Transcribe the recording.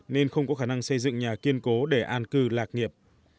nên không có khả năng xây dựng nhà kiên cố để an cư lạc nghiệp